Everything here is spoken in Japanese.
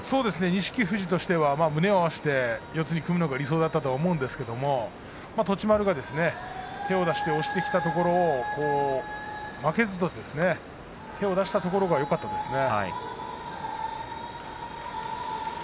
錦富士としては胸を合わせて四つに組むのが理想だったと思うんですが栃丸は手を出して押してきたところを負けずと手を出したところがよかったですね。